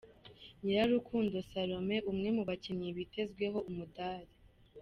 Nyirarukundo Salome umwe mu bakinnyi bitezweho umudali.